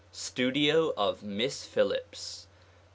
Studio of Miss Phillips.